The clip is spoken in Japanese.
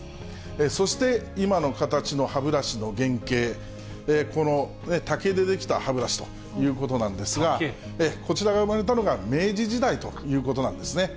そして、今の形の歯ブラシの原形、この竹で出来た歯ブラシということなんですが、こちらが生まれたのが明治時代ということなんですね。